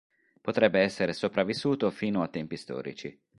Potrebbe essere sopravvissuto fino a tempi storici.